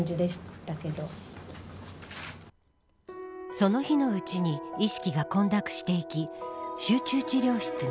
その日のうちに意識が混濁していき集中治療室に。